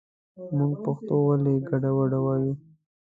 مونږ پښتو ولې ګډه وډه وايو